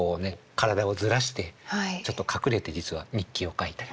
体をずらしてちょっと隠れて実は日記を書いたりとかね。